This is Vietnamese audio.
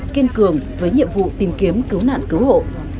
kiên cường với nhiệm vụ tìm kiếm cứu nạn cứu hộ